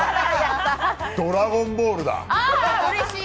ドラゴンボールだ。